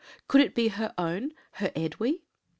Could it be her own her Edwy?